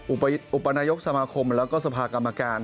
อุปนายกสมาคมแล้วก็สภากรรมการ